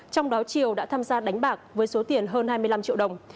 trong đó triều đã tham gia đánh bạc với số tiền hơn hai mươi năm triệu đồng